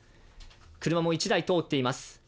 車も１台通っています。